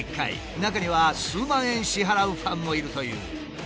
中には数万円支払うファンもいるという。